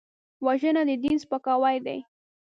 وژنه د دین سپکاوی دی